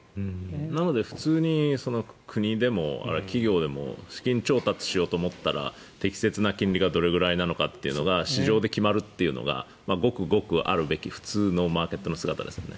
なので、普通に国でも企業でも資金調達しようと思ったら適切な金利がどれくらいなのかっていうのが市場で決まるっていうのがごくごくあるべき普通のマーケットの姿ですよね。